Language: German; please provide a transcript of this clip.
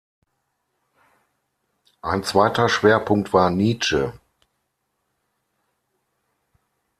Ein zweiter Schwerpunkt war Nietzsche.